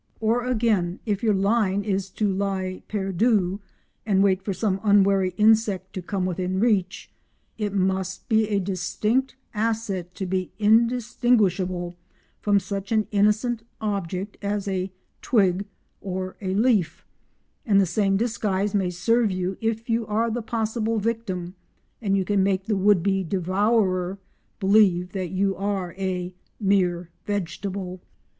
Or again, if your line is to lie perdu and wait for some unwary insect to come within reach, it must be a distinct asset to be indistinguishable from such an innocent object as a twig or a leaf; and the same disguise may serve you if you are the possible victim and you can make the would be devourer believe that you are a mere vegetable.